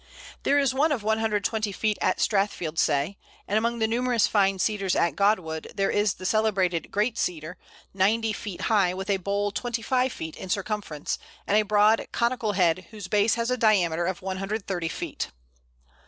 There is one of 120 feet at Strathfieldsaye, and among the numerous fine Cedars at Goodwood there is the celebrated Great Cedar, 90 feet high, with a bole 25 feet in circumference, and a broad conical head whose base has a diameter of 130 feet.